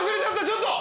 ちょっと！